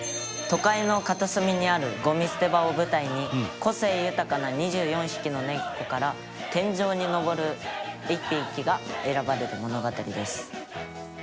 「都会の片隅にあるゴミ捨て場を舞台に個性豊かな２４匹の猫から天上に上る１匹が選ばれる物語です」